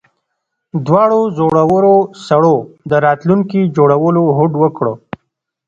دواړو زړورو سړو د راتلونکي جوړولو هوډ وکړ